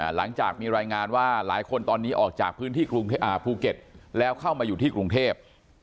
หลังจากมีรายงานว่าหลายคนตอนนี้ออกจากพื้นที่ภูเก็ตแล้วเข้ามาอยู่ที่กรุงเทพ